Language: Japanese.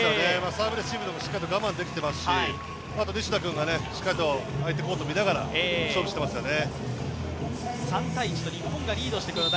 サーブレシーブでもよく我慢できていますし西田君がしっかりと相手コートを見ながら勝負してますよね。